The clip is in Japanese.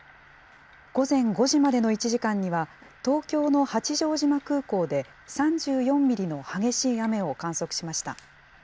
午前５時までの１時間には、東京の八丈島空港で３４ミリの激しい雨を観測しました。